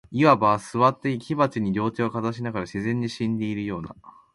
謂わば、坐って火鉢に両手をかざしながら、自然に死んでいるような、